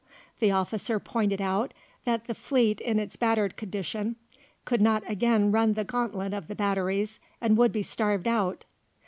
The officer pointed out that the fleet in its battered condition could not again run the gauntlet of the batteries and would be starved out.